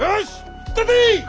引っ立てい！